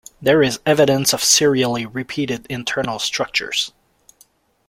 There is evidence of serially repeated internal structures.